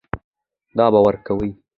دا به ورکوې.